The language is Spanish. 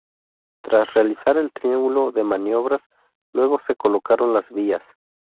Tras realizar el triángulo de maniobras, luego se colocaron las vías.